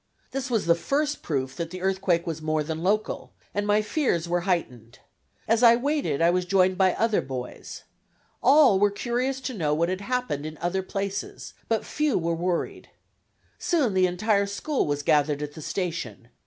This was the first proof that the earthquake was more than local, and my fears were heightened. As I waited I was joined by other boys. All were curious to know what had happened in other places, but few were worried. Soon the entire school was gathered at the station.